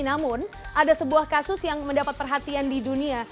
namun ada sebuah kasus yang mendapat perhatian di dunia